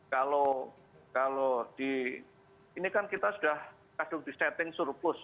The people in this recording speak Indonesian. kalau di ini kan kita sudah kasih setting surplus